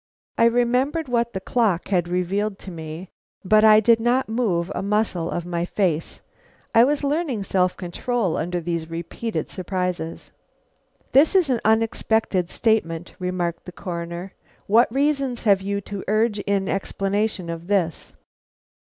I remembered what the clock had revealed to me, but I did not move a muscle of my face. I was learning self control under these repeated surprises. "This is an unexpected statement," remarked the Coroner. "What reasons have you to urge in explanation of it?"